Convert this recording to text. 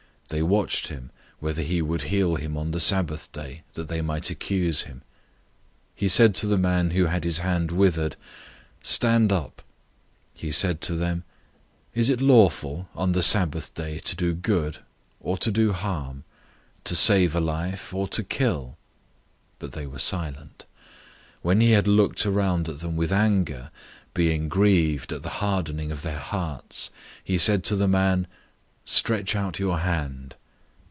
003:002 They watched him, whether he would heal him on the Sabbath day, that they might accuse him. 003:003 He said to the man who had his hand withered, "Stand up." 003:004 He said to them, "Is it lawful on the Sabbath day to do good, or to do harm? To save a life, or to kill?" But they were silent. 003:005 When he had looked around at them with anger, being grieved at the hardening of their hearts, he said to the man, "Stretch out your hand."